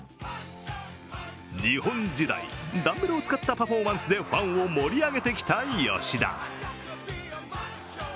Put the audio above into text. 日本時代ダンベルを使ったパフォーマンスでファンを盛り上げてきた吉田。